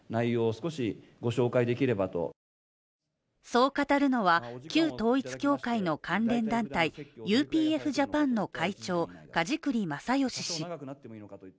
そう語るのは、旧統一教会の関連団体、ＵＰＦジャパンの会長、梶栗正義氏。